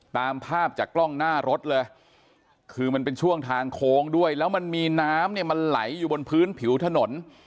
ตามภาพจากกล้องหน้ารถเลยคือมันเป็นช่วงทางโค้งด้วยแล้วมันมีน้ำเนี่ยมันไหลอยู่บนพื้นผิวถนน